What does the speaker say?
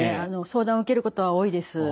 相談を受けることは多いです。